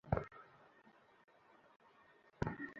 সত্যকে ব্যবহার করেই ধোঁকা দেয় মানুষকে।